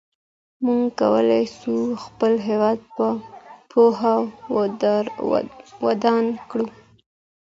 موږ کولای سو خپل هېواد په پوهه ودان کړو.